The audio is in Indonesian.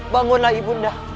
bangunlah ibu bunda